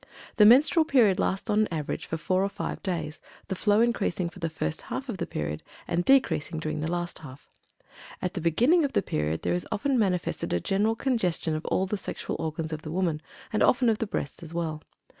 The menstrual period lasts on an average for four or five days, the flow increasing for the first half of the period, and decreasing during the last half. At the beginning of the period there is often manifested a general congestion of all of the sexual organs of the woman, and often of the breasts as well.